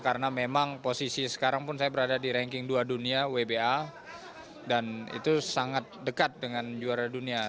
karena memang posisi sekarang pun saya berada di ranking dua dunia wba dan itu sangat dekat dengan juara dunia